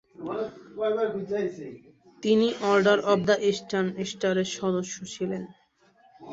তিনি order of the eastern স্টারের সদস্য ছিলেন।